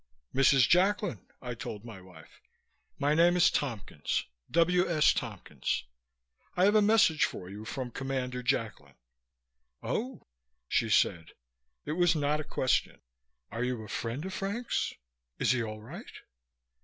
"Mrs. Jacklin," I told my wife, "my name is Tompkins, W. S. Tompkins. I have a message for you from Commander Jacklin." "Oh," she said. It was not a question. "Are you a friend of Frank's? Is he all right?"